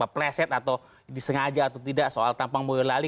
pleset atau disengaja atau tidak soal tampang boyolali